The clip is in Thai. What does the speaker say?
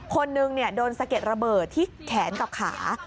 คนหนึ่งโดนสะเก็ดระเบิดที่แขนกับขา